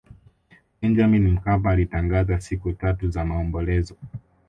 benjamin mkapa alitangaza siku tatu za maombolezo